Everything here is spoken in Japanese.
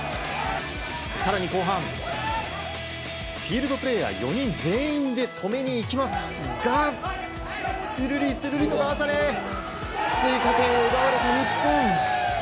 更に後半、フィールドプレーヤー４人全員で止めに行きますがするりするりとかわされ追加点を奪われた日本。